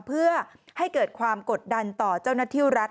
เพื่อให้เกิดความกดดันต่อเจ้าหน้าที่รัฐ